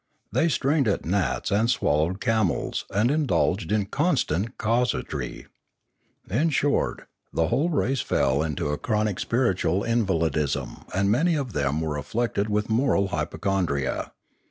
They strained at gnats and swallowed camels and indulged in constant casuistry. In short, the whole race fell into a chronic spiritual invalidism and many of them were afflicted with moral hypochondria.